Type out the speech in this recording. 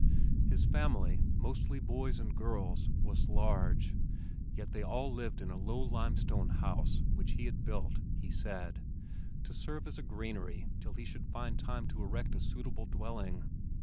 His family "mostly boys and girls" was large, yet they all lived in a low limestone house which he had built (he said) to serve as a granary till he should find time to erect a suitable dwelling.